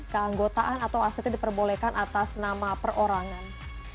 keanggotaan atau asetnya diperbolehkan atas nama perorangan